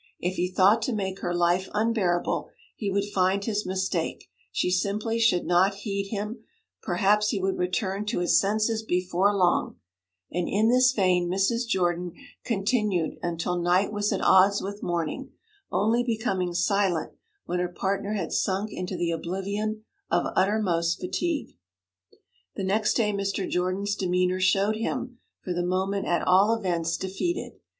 If he thought to make her life unbearable he would find his mistake; she simply should not heed him; perhaps he would return to his senses before long and in this vein Mrs. Jordan continued until night was at odds with morning, only becoming silent when her partner had sunk into the oblivion of uttermost fatigue. The next day Mr. Jordan's demeanour showed him, for the moment at all events, defeated.